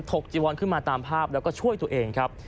จีวอนขึ้นมาตามภาพแล้วก็ช่วยตัวเองครับ